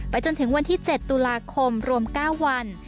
จนถึงวันที่๗ตุลาคมรวม๙วัน